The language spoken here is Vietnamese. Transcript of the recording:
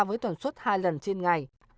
với toàn suốt hai lần trên ngày